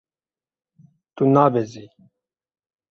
Tu nabezî.